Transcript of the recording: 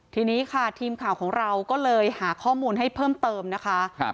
ทีนี้ค่ะทีมข่าวของเราก็เลยหาข้อมูลให้เพิ่มเติมนะคะ